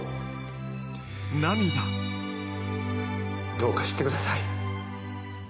「どうか知ってください」